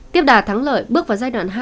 tiếp đà thắng lợi bước vào giai đoạn hai